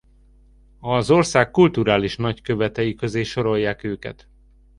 Az ország kulturális nagykövetei közé sorolják őket.